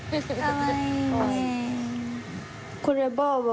かわいいね。